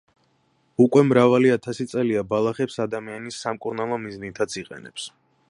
უკვე მრავალი ათასი წელია ბალახებს ადამიანი სამკურნალო მიზნითაც იყენებს.